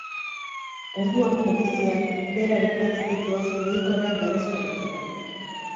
Orduan poliziak beraren atzetik doaz mugikorra berreskuratzeko.